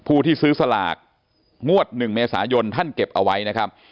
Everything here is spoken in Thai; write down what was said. ผู้ที่ซื้อสลากงวด๑เมษายนท่านเก็บเอาไว้นะครับ